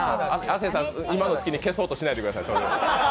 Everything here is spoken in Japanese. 亜生さん、今の隙に消そうとしないでください。